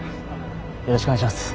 よろしくお願いします。